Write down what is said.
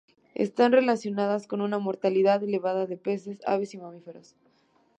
Están relacionadas con una mortalidad elevada de peces, aves y mamíferos.